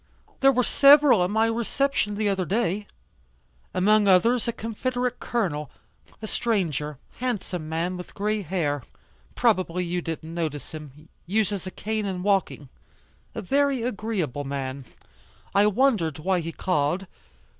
There were several at my reception the other day. Among others a confederate Colonel a stranger handsome man with gray hair, probably you didn't notice him, uses a cane in walking. A very agreeable man. I wondered why he called.